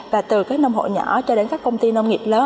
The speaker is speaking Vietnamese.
và từ các nông hộ nhỏ cho đến các công ty nông nghiệp lớn